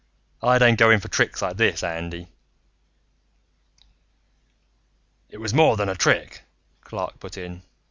I don't go for tricks like this, Andy." "It was more than a trick," Clark put in.